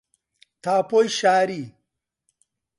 تاپۆی شاری